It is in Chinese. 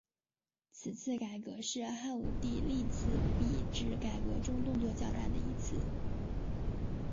此次改革是汉武帝历次币制改革中动作较大的一次。